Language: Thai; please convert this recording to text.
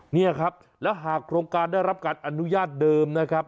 นี่ครับแล้วหากโครงการได้รับการอนุญาตเดิมนะครับ